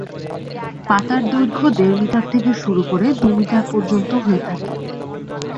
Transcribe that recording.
পাতার দৈর্ঘ্য দেড় মিটার থেকে শুরু করে দুই মিটার পর্যন্ত হয়ে থাকে।